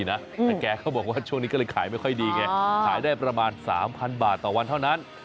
แต่แกก็บอกว่าช่วงนี้ก็เลยขายไม่ค่อยดีไงขายได้ประมาณ๓๐๐บาทต่อวันเท่านั้น